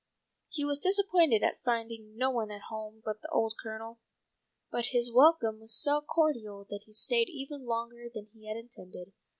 He was disappointed at finding no one at home but the old Colonel. But his welcome was so cordial that he stayed even longer than he had intended.